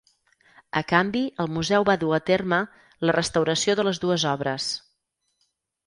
A canvi el museu va dur a terme la restauració de les dues obres.